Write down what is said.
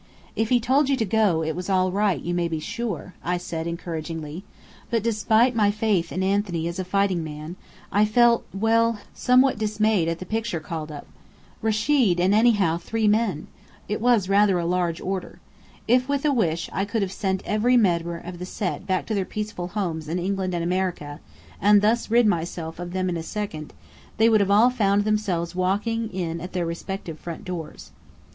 "If he told you to go it was all right, you may be sure," I said encouragingly. But despite my faith in Anthony as a fighting man, I felt well, somewhat dismayed at the picture called up. "Rechid and anyhow three men!" It was rather a large order. If with a wish I could have sent every member of the Set back to their peaceful homes in England and America, and thus rid myself of them in a second, they would all have found themselves walking in at their respective front doors.